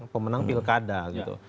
pemenang pilkada gitu